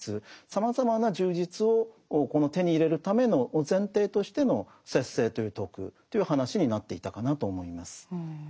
さまざまな充実を手に入れるための前提としての節制という徳という話になっていたかなと思います。